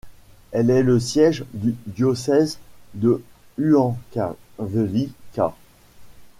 Elle est le siège du diocèse de Huancavelica.